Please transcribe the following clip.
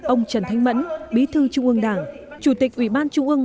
ông trần thanh mẫn bí thư trung ương đảng chủ tịch ủy ban trung ương